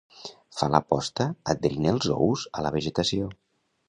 Fa la posta adherint els ous a la vegetació.